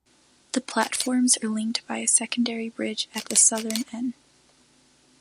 The platforms are linked by a secondary bridge at the southern end.